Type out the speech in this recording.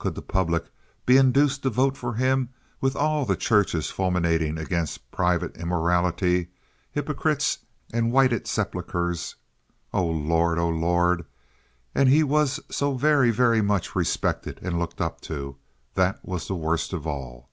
Could the public be induced to vote for him with all the churches fulminating against private immorality, hypocrites, and whited sepulchers? Oh, Lord! Oh, Lord! And he was so very, very much respected and looked up to—that was the worst of it all.